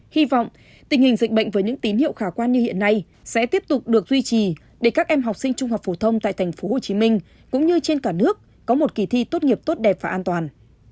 hy vọng tình hình dịch bệnh với những tín hiệu khả quan như hiện nay sẽ tiếp tục được duy trì để các em học sinh trung học phổ thông tại tp hcm cũng như trên cả nước có một kỳ thi tốt nghiệp tốt đẹp và an toàn